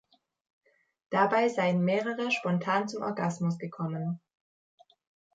Dabei seien mehrere spontan zum Orgasmus gekommen.